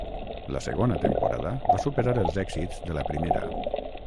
La segona temporada va superar els èxits de la primera.